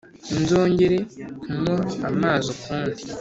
nzongere kunywa amazi ukundi